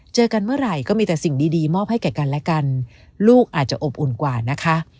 เจอกันเมื่อไหร่ก็มีแต่สิ่งดีมอบให้แก่กันและกันลูกอาจจะอบอุ่นกว่านะคะ